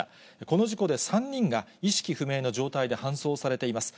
この事故で３人が意識不明の状態で搬送されています。